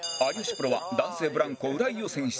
プロは男性ブランコ浦井を選出